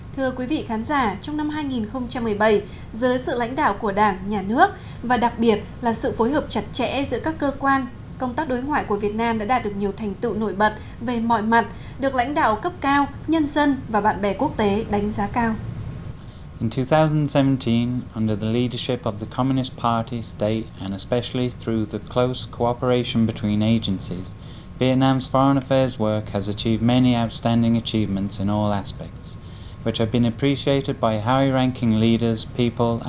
thưa quý vị khán giả trong năm hai nghìn một mươi bảy dưới sự lãnh đạo của đảng nhà nước và đặc biệt là sự phối hợp chặt chẽ giữa các cơ quan công tác đối ngoại của việt nam đã đạt được nhiều thành tựu nổi bật về mọi mặt được lãnh đạo cấp cao nhân dân và bạn bè quốc tế đánh giá cao